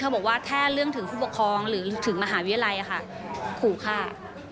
บอกว่าถ้าเรื่องถึงผู้ปกครองหรือถึงมหาวิทยาลัยค่ะขู่ฆ่า